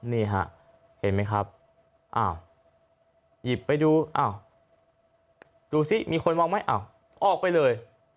เห็นไหมครับหยิบไปดูดูสิมีคนมองไหมออกไปเลย